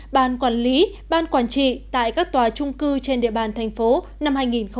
ban quản lý ban quản trị tại các tòa trung cư trên địa bàn thành phố năm hai nghìn một mươi chín